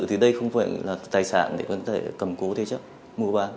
thì đây không phải là tài sản để cầm cố thế chất mua bán